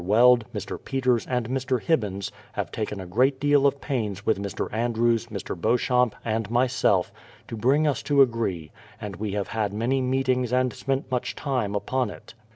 Weld, Mr. Peters, and Mr. Hibbins have taken a great deal of pains with Mr. Andrews, Mr. Beauchamp, and myself, to bring us to agree, and we have had many meetings and spent much time upon it.